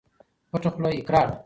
پټه خوله اقرار ده.